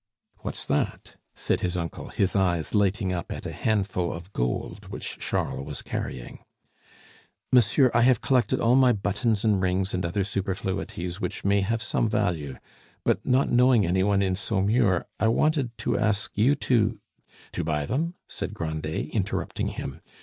"What's that?" said his uncle, his eyes lighting up at a handful of gold which Charles was carrying. "Monsieur, I have collected all my buttons and rings and other superfluities which may have some value; but not knowing any one in Saumur, I wanted to ask you to " "To buy them?" said Grandet, interrupting him.